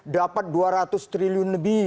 dapat dua ratus triliun lebih